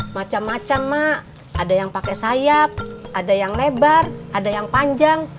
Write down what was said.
macam macam mak ada yang pakai sayap ada yang lebar ada yang panjang